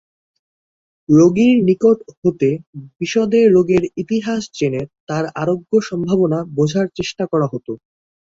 রোগীর নিকট হতে বিশদে রোগের ইতিহাস জেনে তাঁর আরোগ্য সম্ভাবনা বোঝার চেষ্টা করা হত।